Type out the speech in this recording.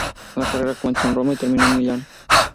La carrera comenzó en Roma y terminó en Milán.